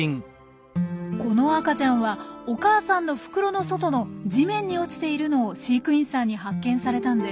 この赤ちゃんはお母さんの袋の外の地面に落ちているのを飼育員さんに発見されたんです。